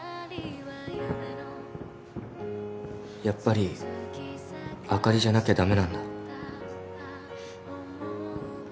やっぱりあかりじゃなきゃ駄目なんだ。